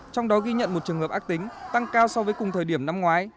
trong đó ghi nhận một trường hợp ác tính tăng cao so với cùng thời điểm năm ngoái